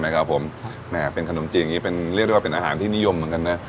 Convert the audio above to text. ใช่ครับนี่แหละแค่ขนมจิอย่างนี้เรียกด้วยว่าเป็นอาหารที่นิยมเหมือนกัน